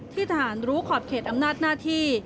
ทหารรู้ขอบเขตอำนาจหน้าที่